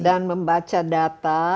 dan membaca data